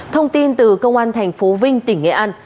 thông tin từ công an thành phố vinh tỉnh nghệ an